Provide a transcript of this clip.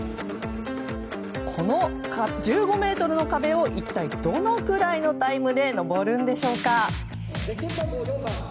この１５ｍの壁を一体どのくらいのタイムで登るんでしょうか。